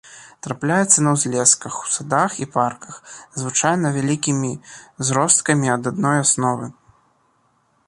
Трапляецца на ўзлесках, у садах і парках, звычайна вялікімі зросткамі ад адной асновы.